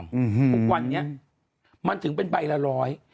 อืมทุกวันนี้มันถึงเป็นใบละร้อย